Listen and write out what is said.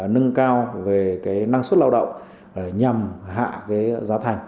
nâng cao về năng suất lao động nhằm hạ cái giá thành